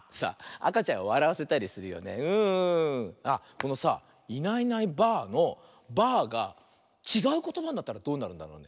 このさ「いないいないばあ！」の「ばあ」がちがうことばになったらどうなるんだろうね？